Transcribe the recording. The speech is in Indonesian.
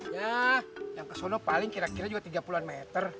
ya yang kesana paling kira kira juga tiga puluhan meter